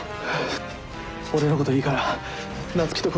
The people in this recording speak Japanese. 俺のこといいから夏希と子供を。